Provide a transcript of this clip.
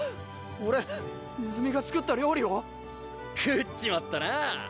俺ねずみが作った料理を食っちまったなあ